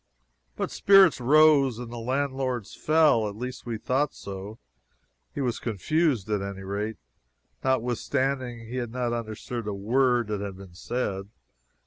Our spirits rose and the landlord's fell at least we thought so; he was confused, at any rate, notwithstanding he had not understood a word that had been said.